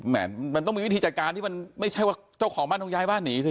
มันต้องมีวิธีจัดการที่มันไม่ใช่ว่าเจ้าของบ้านต้องย้ายบ้านหนีสิ